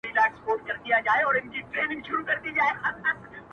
زه خپله مينه د آسمان و کنگرو ته سپارم _